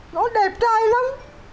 nó đẹp trai lắm